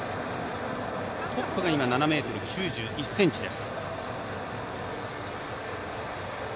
トップが今７ｍ９１ｃｍです。